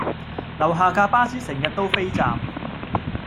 樓下架巴士成日都飛站